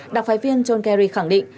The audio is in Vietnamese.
đặc phái viên john kerry khẳng định